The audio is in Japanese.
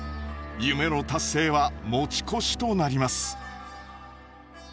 夢の達成は持ち越しとなります。